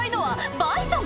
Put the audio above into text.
バイソンか？